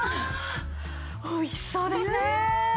おいしそうですね。